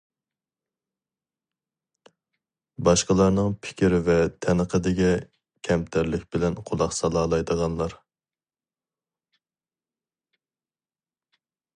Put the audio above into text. باشقىلارنىڭ پىكىر ۋە تەنقىدىگە كەمتەرلىك بىلەن قۇلاق سالالايدىغانلار.